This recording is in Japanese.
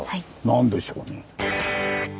何でしょうね？